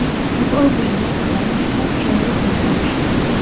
მოპოვებული მასალა ინახება თელავის მუზეუმში.